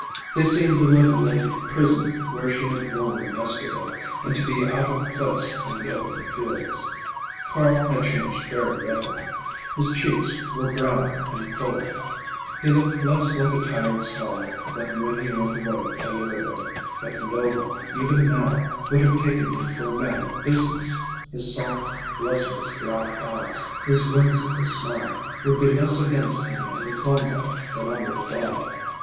They seemed a little like the prison where she had worn them yesterday, and to be out of place in the open fields. Carl had changed very little. His cheeks were browner and fuller. He looked less like a tired scholar than when he went away a year ago, but no one, even now, would have taken him for a man of business. His soft, lustrous black eyes, his whimsical smile, would be less against him in the Klondike than on the Divide.